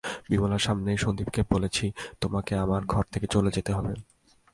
বিমলার সামনেই সন্দীপকে বলেছি, তোমাকে আমার বাড়ি থেকে চলে যেতে হবে।